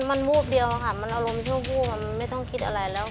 มันวูบเดียวค่ะมันอารมณ์ชั่ววูบมันไม่ต้องคิดอะไรแล้ว